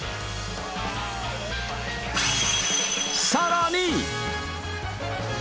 さらに。